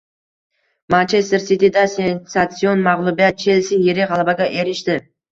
“Manchester Siti”da sensatsion mag‘lubiyat, “Chelsi” yirik g‘alabaga erishdi